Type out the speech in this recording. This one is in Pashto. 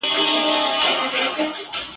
د حاجتونو جوابونه لیکي !.